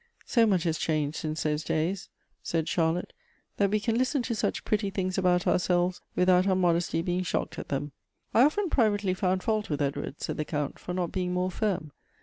" So much has changed since those days," said Char 90 Goethe's lotte, " that we can listen to such pretty things about ourselves without our modesty being shocked at them." " I often privately found fault with Edward," said the Count, " for not being more firm.